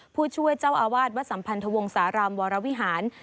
ผู้ช่วยเจ้าอาวาสวัดสัมพันธวงศาลามวรวิหาร